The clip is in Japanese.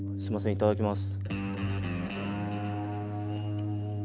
いただきます。